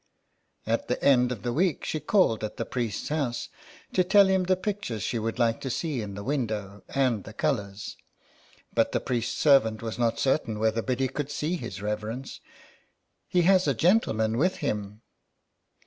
At the end of the week she called at the priest's house to tell him the pictures she would like to see in the window, and the colours. But the priest's servant was not certain whether Biddy could see his reverence. " He has a gentleman with him."